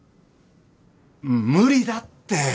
無理だって。